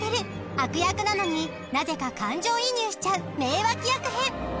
悪役なのになぜか感情移入しちゃう名脇役編。